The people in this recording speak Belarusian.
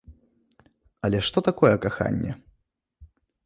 Але што такое каханне?